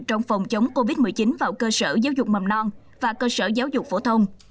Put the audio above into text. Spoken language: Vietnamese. trong phòng chống covid một mươi chín vào cơ sở giáo dục mầm non và cơ sở giáo dục phổ thông